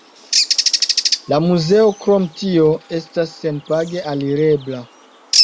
La muzeo krom tio estas senpage alirebla.